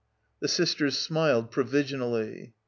The sisters smiled provisionally.